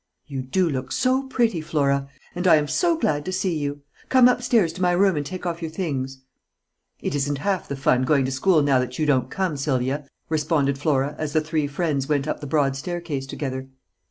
"You do look so pretty, Flora! And I am so glad to see you. Come up stairs to my room and take off your things." "It isn't half the fun going to school now that you don't come, Sylvia," responded Flora, as the three friends went up the broad staircase together.